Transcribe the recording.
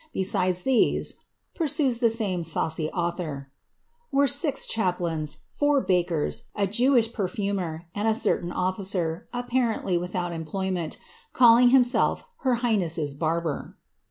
Besides these,^ punues the same saucy author, ^ were six cliaplains, four bakers, a Jew perfume and a certain officer, apparenxly without employment, calling hiat^ CATHARINE OF BSAOANSA. SSI [hness's barber.